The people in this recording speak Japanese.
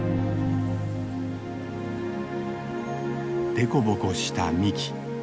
凸凹した幹。